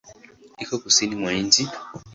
Iko Kusini mwa nchi.